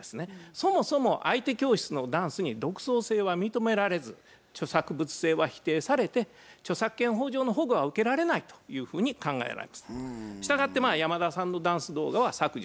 そもそも相手教室のダンスに独創性は認められず著作物性は否定されて著作権法上の保護は受けられないというふうに考えられます。